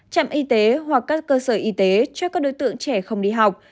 trạm y tế hoặc các cơ sở y tế cho các đối tượng trẻ không đi học